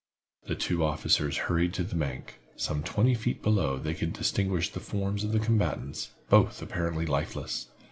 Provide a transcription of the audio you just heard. The two officers hurried to the bank. Some twenty feet below they could distinguish the forms of the combatants, both apparently lifeless.